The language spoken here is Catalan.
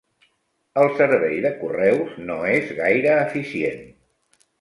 El servei de correus no és gaire eficient.